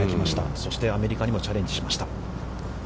そしてアメリカにもチャレンジしました。